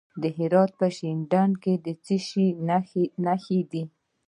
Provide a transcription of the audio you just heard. د هرات په شینډنډ کې د څه شي نښې دي؟